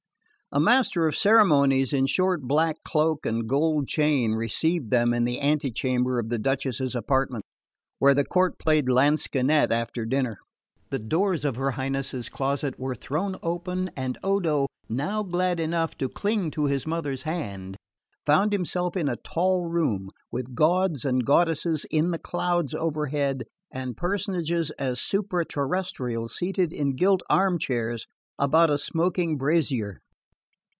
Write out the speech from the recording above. A master of ceremonies in short black cloak and gold chain received them in the antechamber of the Duchess's apartments, where the court played lansquenet after dinner; the doors of her Highness's closet were thrown open, and Odo, now glad enough to cling to his mother's hand, found himself in a tall room, with gods and goddesses in the clouds overhead and personages as supra terrestrial seated in gilt armchairs about a smoking brazier.